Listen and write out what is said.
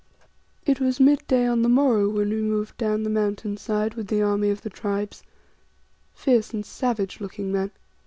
It was midday on the morrow when we moved down the mountain side with the army of the Tribes, fierce and savage looking men.